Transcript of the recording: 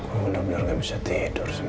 gue bener bener gak bisa tidur semua